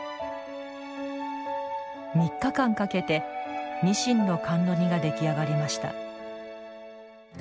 ３日間かけて「にしんの甘露煮」が出来上がりました。